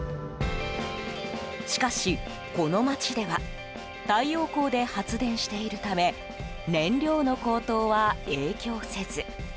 しかし、この街では太陽光で発電しているため燃料の高騰は影響せず。